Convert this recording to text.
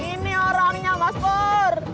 ini orangnya mas pur